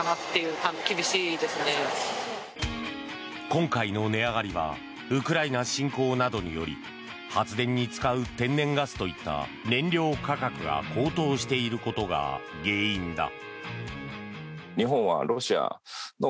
今回の値上がりはウクライナ侵攻などにより発電に使う天然ガスといった燃料価格が高騰していることが原因だ。